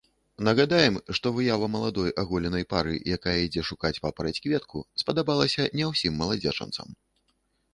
Нагадаем, што выява маладой аголенай пары, якая ідзе шукаць папараць-кветку, спадабалася не ўсім маладзечанцам.